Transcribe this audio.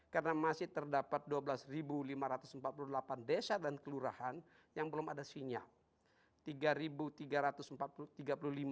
karena masih terdapat dua belas lima ratus empat puluh delapan desa dan kelurahan yang belum ada sinyal